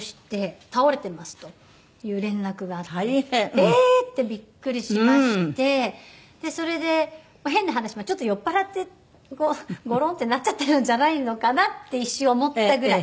ええー！ってびっくりしましてそれで変な話ちょっと酔っ払ってゴロンってなっちゃってるんじゃないのかなって一瞬思ったぐらい。